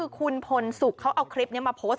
คุณพลสุขเขาเอาคลิปนี้มาโพสต์